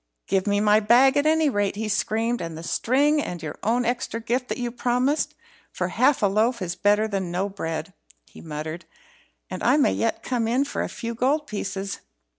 "Give me my bag, at any rate," he screamed, "and the string and your own extra gift that you promised. For half a loaf is better than no bread," he muttered, "and I may yet come in for a few gold pieces."